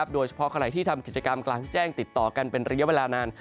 โดยเฉพาะใครที่ทำกิจกรรมกลางแจ้งติดต่อกันเป็นระยะเวลานาน